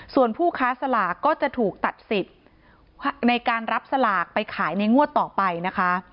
ส่วนผู้ค้าสลากก็จะถูกตัดสิทธิ์ในการรับสลากไปขายในงวดต่อไปนะคะ